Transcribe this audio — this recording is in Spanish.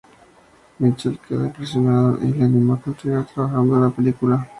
Mitchell quedó impresionado y le animó a continuar trabajando en la película.